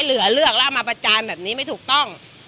เหลือเลือกแล้วเอามาประจานแบบนี้ไม่ถูกต้อง